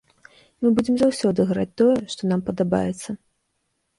Мы будзем заўсёды граць тое, што нам падабаецца.